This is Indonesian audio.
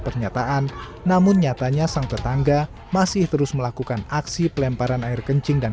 pernyataan namun nyatanya sang tetangga masih terus melakukan aksi pelemparan air kencing dan